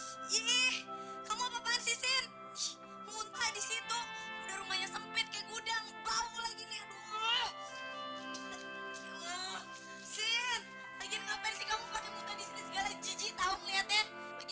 hai hai hai hai hai hai siih kamu apaan sih si minta disitu udah rumahnya sempit